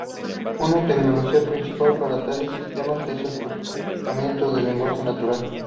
Una tecnología principal para tales sistemas es el procesamiento de lenguaje natural.